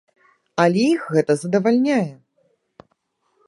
Але іх гэта задавальняе.